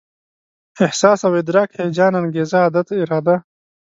احساس او ادراک، هيجان، انګېزه، عادت، اراده